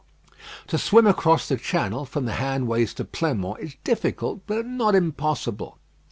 To swim across the channel from the Hanways to Pleinmont is difficult, but not impossible.